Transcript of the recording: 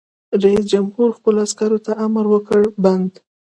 رئیس جمهور خپلو عسکرو ته امر وکړ؛ بند!